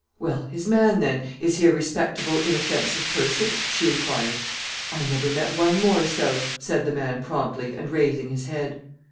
"Well, his man, then; is he a respectable, inoffensive person?" she inquired. "I never met one more so," said the man, promptly, and raising his head.